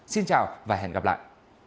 xin chào và hẹn gặp lại